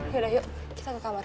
yaudah yuk kita ke kamar